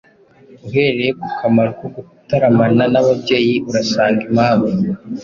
Uhereye ku kamaro ko gutaramana n’ababyeyi, urasanga impamvu